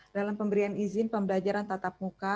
dalam pemberian izin pembelajaran tatap muka